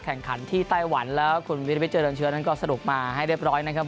แข่งขันที่ไต้หวันแล้วคุณวิริวิทยเจริญเชื้อนั้นก็สรุปมาให้เรียบร้อยนะครับ